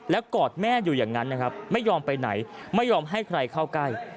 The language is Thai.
แล้วก็กอดแม่อยู่อย่างนั้นไม่ยอมไปไหนไม่ยอมให้ใครเข้าก้าย